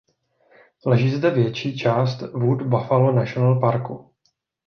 Leží zde větší část Wood Buffalo National Parku.